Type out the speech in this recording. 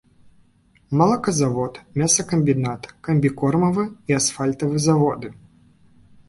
Малаказавод, мясакамбінат, камбікормавы і асфальтавы заводы.